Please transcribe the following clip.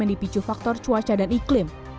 yang dipicu faktor cuaca dan iklim